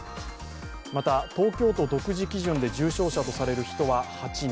また、東京都独自基準で重症者とされる人は８人。